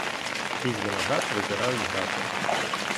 Крізь виноград визирають грати.